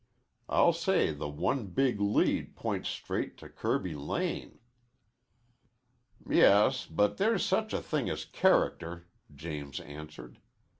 I'll say the one big lead points straight to Kirby Lane." "Yes, but there's such a thing as character," James answered.